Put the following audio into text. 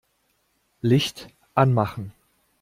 Licht anmachen.